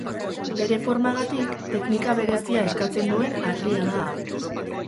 Bere formagatik, teknika berezia eskatzen duen harria da hau.